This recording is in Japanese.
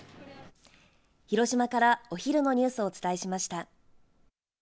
広島からお昼のニュースをお伝えしました。